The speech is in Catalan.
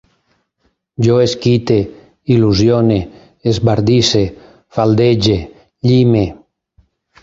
Jo esquite, il·lusione, esbardisse, faldege, llime